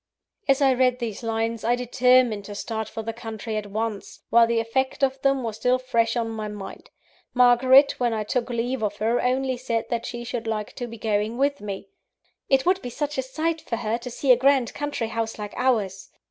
As I read these lines, I determined to start for the country at once, while the effect of them was still fresh on my mind. Margaret, when I took leave of her, only said that she should like to be going with me "it would be such a sight for her, to see a grand country house like ours!"